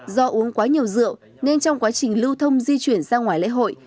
do uống quá nhiều rượu nên trong quá trình lưu thông di chuyển ra ngoài lễ hội